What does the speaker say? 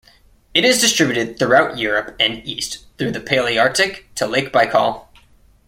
It is distributed throughout Europe and east through the Palearctic to Lake Baikal.